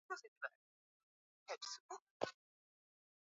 Mwaka elfu mbili na kumi na tano matokeo yote ya uchaguzi yalifutwa